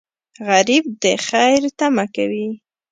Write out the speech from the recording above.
غریب د خیر تمه کوي